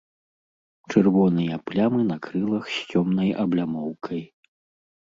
Чырвоныя плямы на крылах з цёмнай аблямоўкай.